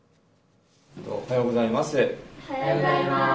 おはようございます。